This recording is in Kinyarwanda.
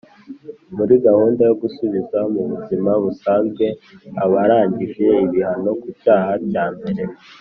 Muri gahunda yo gusubiza mu buzima busanzwe abarangije ibihano ku cyaha cyambere